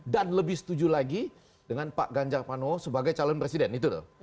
lebih setuju lagi dengan pak ganjar panowo sebagai calon presiden itu tuh